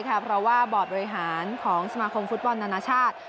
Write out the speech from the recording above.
เพราะว่าบอร์ดบริหารของสมาคมฟุตบอลนานาชาติ